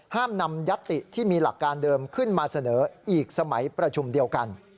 ห้ามนำยัตติที่มีหลักการเดิมขึ้นมาเสนออีกสมัยประชุมเดียวกัน